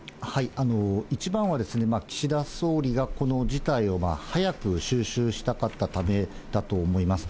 一番は岸田総理がこの事態を早く収拾したかったためだと思います。